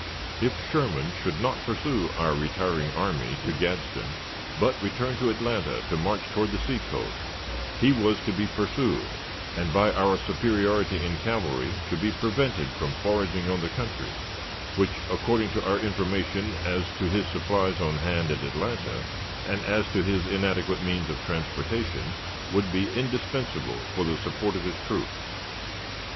If Sherman should not pursue our retiring army to Gadsden, but return to Atlanta to march toward the seacoast, he was to be pursued, and, by our superiority in cavalry, to be prevented from foraging on the country, which, according to our information as to his supplies on hand at Atlanta, and as to his inadequate means of transportation, would be indispensable for the support of his troops.